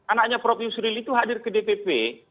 anaknya prof yusril itu hadir ke dpp